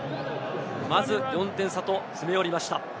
まず４点差と詰め寄りました。